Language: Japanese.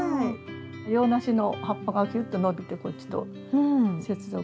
洋梨の葉っぱがひゅっと伸びてこっちと接続して。